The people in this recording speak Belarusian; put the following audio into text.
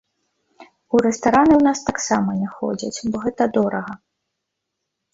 У рэстараны ў нас таксама не ходзяць, бо гэта дорага.